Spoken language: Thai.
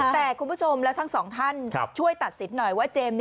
แต่คุณผู้ชมและทั้งสองท่านช่วยตัดสินหน่อยว่าเจมส์